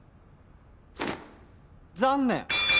残念。